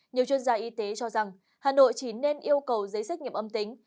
nhiều chuyên gia y tế cho rằng hà nội chỉ nên yêu cầu giấy xét nghiệm âm tính